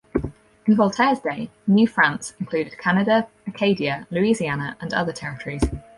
In Voltaire's day, New France included Canada, Acadia, Louisiana, and other territories.